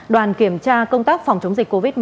đoàn kiểm tra công tác phòng chống dịch covid một mươi chín